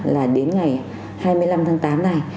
là đến ngày hai mươi năm tháng tám này